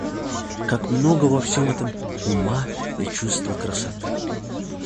Как много во всем этом ума и чувства красоты!